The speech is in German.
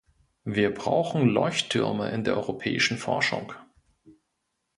Wir brauchen Leuchttürme in der europäischen Forschung.